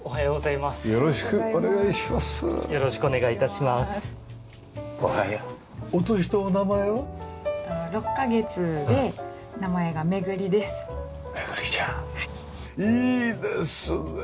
いいですね。